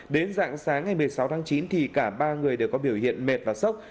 đến dạng sáng ngày một mươi sáu tháng chín thì cả ba người đều có biểu hiện mệt và sốc